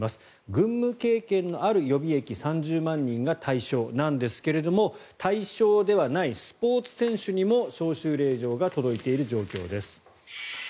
軍務経験のある予備役３０万人が対象なんですが対象ではないスポーツ選手にも招集令状が届いている状況です。